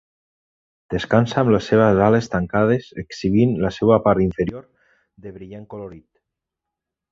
Descansa amb les seves ales tancades exhibint la seva part inferior de brillant colorit.